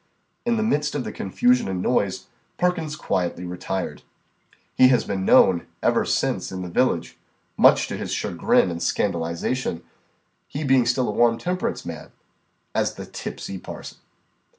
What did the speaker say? In the midst of the confusion and noise, Perkins quietly retired. He has been known, ever since, in the village, much to his chagrin and scandalization, he being still a warm temperance man, as the "tipsy parson."